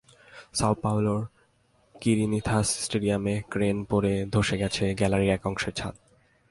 Sao পাওলোর Corinthians স্টেডিয়ামে crane পড়ে ধসে গেছে গ্যালারির একাংশের ছাদ।